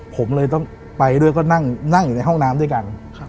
ผมเลยต้องไปด้วยก็นั่งอยู่ในห้องน้ำด้วยกัน